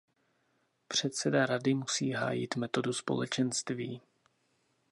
Předseda Rady musí hájit metodu Společenství.